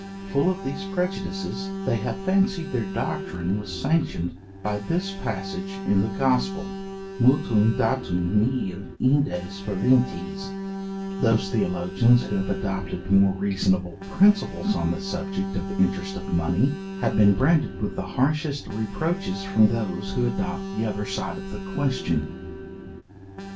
Full of these prejudices they have fancied their doctrine was sanctioned by this passage in the Gospel, mutuum date nihil inde sperantes: Those theologians who have adopted more reasonable principles on the subject of interest of money, have been branded with the harshest reproaches from those who adopt the other side of the question.